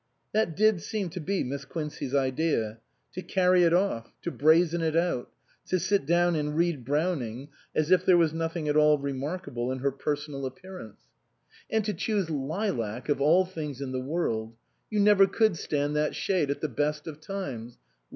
That did seem to be Miss Quincey's idea to carry it off ; to brazen it out ; to sit down and read Browning as if there was nothing at all remarkable in her personal appearance. 258 SPEING FASHIONS "And to choose lilac of all things in the world ! You never could stand that shade at the best of times.